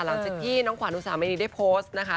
หลังจากที่น้องขวานอุสามณีได้โพสต์นะคะ